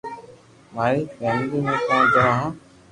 ماري فيملي امي پونچ جڻو ھون